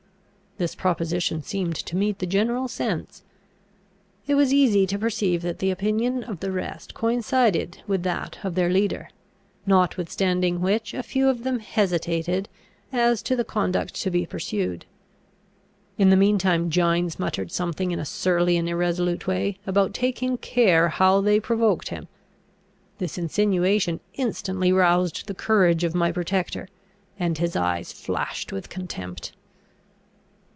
This proposition seemed to meet the general sense. It was easy to perceive that the opinion of the rest coincided with that of their leader; notwithstanding which a few of them hesitated as to the conduct to be pursued. In the mean time Gines muttered something in a surly and irresolute way, about taking care how they provoked him. This insinuation instantly roused the courage of my protector, and his eyes flashed with contempt.